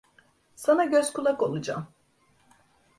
Sana göz kulak olacağım.